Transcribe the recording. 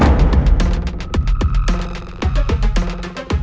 pangeran ikut dinner